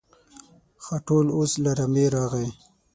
خاټول اوس له رمې راغی.